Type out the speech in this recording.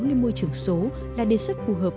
lên môi trường số là đề xuất phù hợp